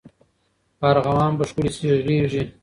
په ارغوان به ښکلي سي غیږي